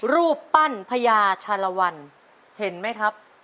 รูปปั้นพญาชาลวันเห็นไหมครับ